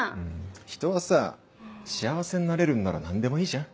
人はさ幸せになれるんなら何でもいいじゃん。